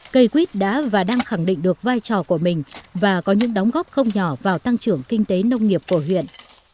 cây quýt đã và đang khẳng định được vai trò của mình và có những đóng góp không nhỏ vào tăng trưởng kinh tế nông nghiệp của huyện